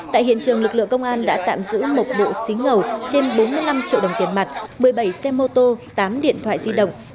tại hiện trường lực lượng công an đã tạm giữ một bộ xính lầu trên bốn mươi năm triệu đồng tiền mặt một mươi bảy xe mô tô tám điện thoại di động